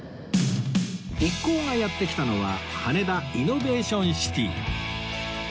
一行がやって来たのは羽田イノベーションシティ